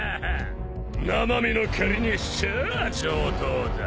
生身の蹴りにしちゃ上等だ。